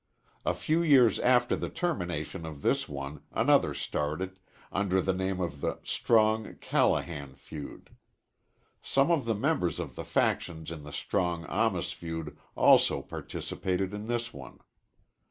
A few years after the termination of this one another started, under the name of the Strong Callahan feud. Some of the members of the factions in the Strong Amis feud also participated in this one.